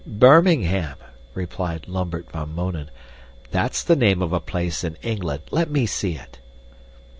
"Birmingham!" replied Lambert van Mounen, "that's the name of a place in England. Let me see it."